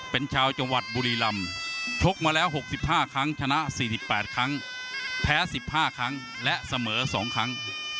เป็นชาวจังหวัดบุรีรำชกมาแล้ว๖๕ครั้งชนะ๔๘ครั้งแพ้๑๕ครั้งและเสมอ๒ครั้ง